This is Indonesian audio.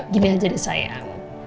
gini aja deh sayang